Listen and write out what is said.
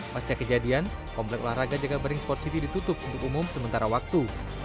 pasca kejadian komplek olahraga jakabaring sport city ditutup untuk umum sementara waktu